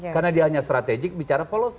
karena dia hanya strategik bicara policy